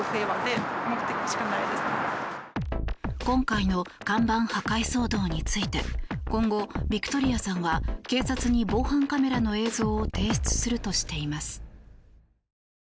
今回の看板破壊騒動について今後、ヴィクトリアさんは警察に防犯カメラの映像を提出するとしています。